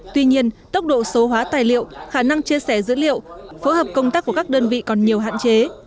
tuy nhiên tốc độ số hóa tài liệu khả năng chia sẻ dữ liệu phối hợp công tác của các đơn vị còn nhiều hạn chế